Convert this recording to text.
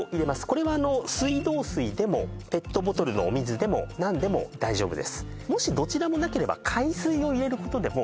これは水道水でもペットボトルのお水でも何でも大丈夫です